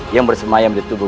yang bersemayam di tubuh